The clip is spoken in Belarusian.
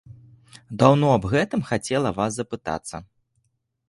Даўно аб гэтым хацела вас запытацца.